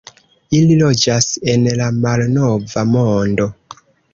Ili loĝas en la Malnova Mondo.